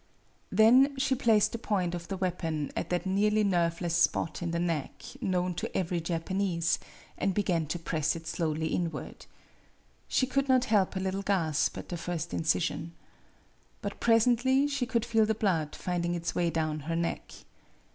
Then she placed the point of the weapon at that nearly nerveless spot in the neck known to every Japanese, and began to press it slowly inward. She could not help a little gasp at the first incision. But presently MADAME BUTTERFLY 85 she could feel the blood finding its way down her neck.